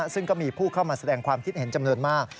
ซึ่งก็มีผู้เข้ามาแสดงความคิดเห็นจำนวนมาก